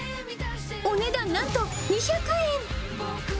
お値段なんと２００円。